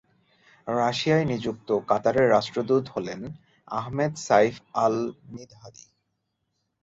রাশিয়ায় নিযুক্ত কাতারের রাষ্ট্রদূত হলেন, আহমেদ সাইফ আল-মিদহাদী।